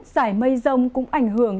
giải mây rông cũng ảnh hưởng